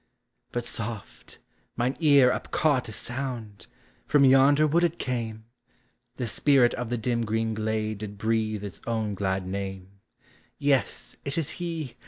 But soft! mine ear upcaught a sound, — from yonder wood it came ! The spirit of the dim green glade did breathe his own glad name; — Yes, it is he!